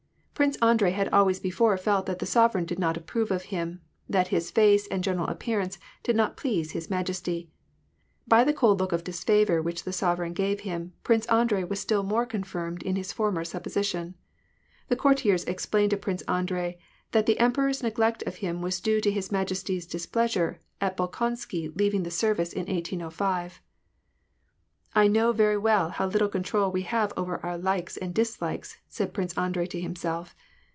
Prince Andrei had always before felt that the sovereign did not approve of him, that his face and general appearance did not please his majesty. By the cold look of disfavor which the sovereign gave him, Prince Andrei was still more confirmed in his former supposition. The courtiers explained to Prince Andrei that the emperor's neglect of him was due to his majesty's displeasure at Bolkonsky leaving the service in 1805. "I know very well how little control we have over our likes and dislikes," said Prince Andrei to himself.